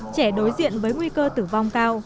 trẻ đối diện với nguy cơ tử vong cao